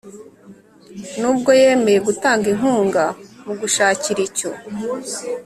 nubwo yemeye gutanga inkunga mu gushakira icyo